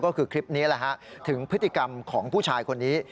ก็คือคลิปนี้แหละฮะถึงพฤติกรรมของผู้ชายคนนี้